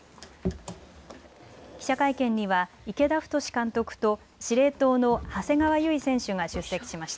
記者会見には、池田太監督と司令塔の長谷川唯選手が出席しました。